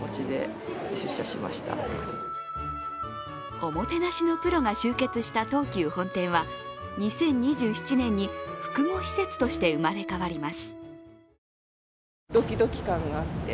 おもてなしのプロが集結した東急本店は２０２７年に複合施設として生まれ変わります。